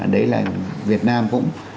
đấy là việt nam cũng